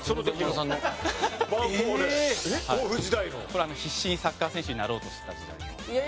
これ必死にサッカー選手になろうとしてた時代の。